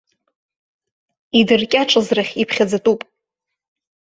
Идыркьаҿыз рахь иԥхьаӡатәуп.